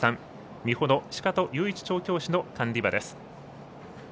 美浦の鹿戸雄一調教師の管理馬です。